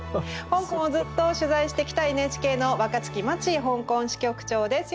香港をずっと取材してきたＮＨＫの若槻真知香港支局長です。